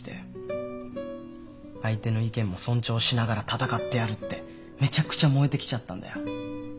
相手の意見も尊重しながら戦ってやるってめちゃくちゃ燃えてきちゃったんだよ。